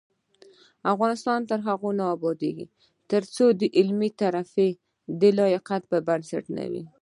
افغانستان تر هغو نه ابادیږي، ترڅو علمي ترفیع د لیاقت پر بنسټ نه وي.